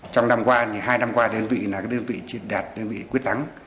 trong năm qua hai năm qua đơn vị là đơn vị triển đạt đơn vị quyết tắng